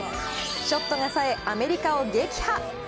ショットがさえ、アメリカを撃破。